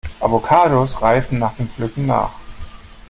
Avocados reifen nach dem Pflücken nach.